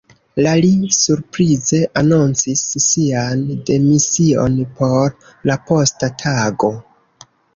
La li surprize anoncis sian demision por la posta tago.